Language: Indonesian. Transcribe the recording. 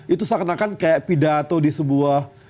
itu seakan akan kayak pidato di sebuah